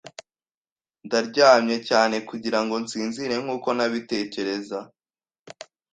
Ndaryamye cyane kugirango nsinzire nkuko nabitekereza.